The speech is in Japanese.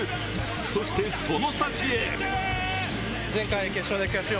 そして、その先へ。